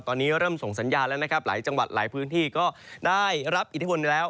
ตอนนี้เริ่มส่งสัญญาณแล้วนะครับหลายจังหวัดหลายพื้นที่ก็ได้รับอิทธิพลแล้ว